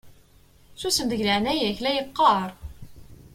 Susem deg leɛnaya-k la yeqqaṛ!